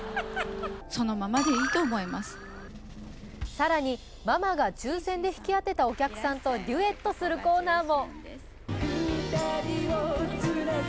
更にママが抽選で引き当てたお客さんとデュエットするコーナーも。